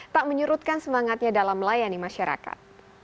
tak menyurutkan semangatnya dalam melayani masyarakat